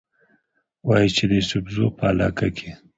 وايي چې د يوسفزو پۀ علاقه کښې